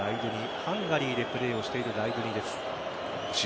ハンガリーでプレーをしているライドゥニです。